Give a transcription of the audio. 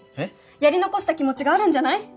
やり残した気持ちがあるんじゃない？